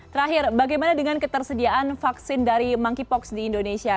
terakhir bagaimana dengan ketersediaan vaksin dari monkeypox di indonesia